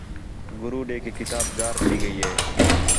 گُرو ݙے کہ کتاب گار تھی ڳئی ہِے